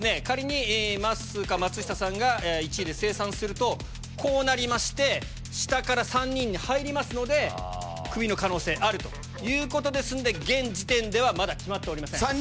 仮にまっすーか松下さんが１位で清算するとこうなりまして下から３人に入りますのでクビの可能性あるということですんで現時点ではまだ決まっておりません。